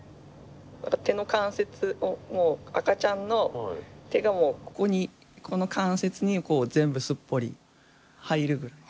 手の関節も赤ちゃんの手がもうここにここの関節に全部すっぽり入るぐらい。